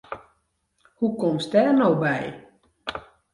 Hoe komst dêr no by?